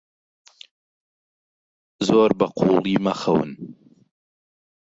زۆر بەقووڵی مەخەون.